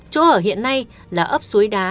chỗ ở hiện nay là ấp suối đá